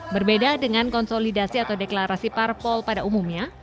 berbeda dengan konsolidasi atau deklarasi parpol pada umumnya